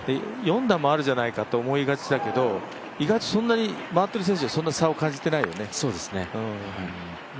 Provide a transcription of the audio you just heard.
４打もあるじゃないかと思われがちだけど意外とそんなに回ってる選手はそんなに差を感じてないよね。